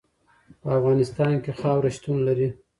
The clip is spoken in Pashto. په افغانستان کې خاوره شتون لري.